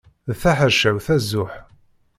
D taḥercawt azuḥ.